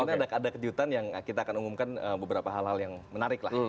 jadi besok ini ada kejutan yang kita akan umumkan beberapa hal hal yang menarik lah